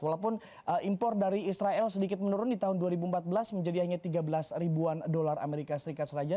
walaupun impor dari israel sedikit menurun di tahun dua ribu empat belas menjadi hanya tiga belas ribuan dolar amerika serikat saja